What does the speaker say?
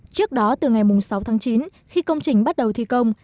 trước đó từ ngày sáu tháng chín khi công trình bắt đầu thi công